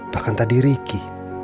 bahkan tadi ricky